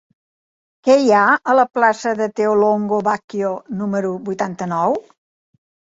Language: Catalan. Què hi ha a la plaça de Theolongo Bacchio número vuitanta-nou?